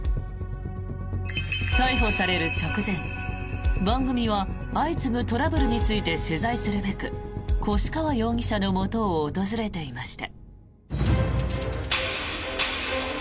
逮捕される直前、番組は相次ぐトラブルについて取材するべき越川容疑者のもとを訪れていました。